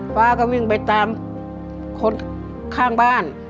ฟ้าก็วิ่งไปตามคนข้างบ้าน